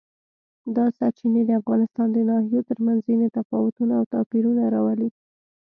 دا سرچینې د افغانستان د ناحیو ترمنځ ځینې تفاوتونه او توپیرونه راولي.